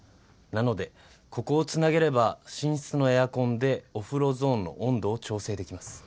なのでここをつなげれば寝室のエアコンでお風呂ゾーンの温度を調整できます。